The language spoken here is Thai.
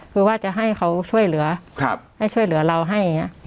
คือว่าจะให้เขาช่วยเหลือให้ช่วยเหลือเราให้อย่างนี้